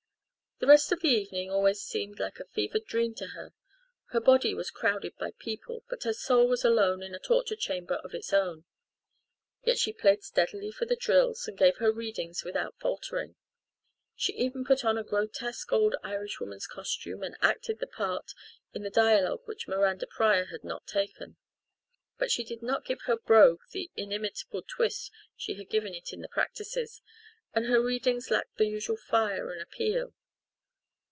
The rest of the evening always seemed like a fevered dream to her. Her body was crowded by people but her soul was alone in a torture chamber of its own. Yet she played steadily for the drills and gave her readings without faltering. She even put on a grotesque old Irish woman's costume and acted the part in the dialogue which Miranda Pryor had not taken. But she did not give her "brogue" the inimitable twist she had given it in the practices, and her readings lacked their usual fire and appeal.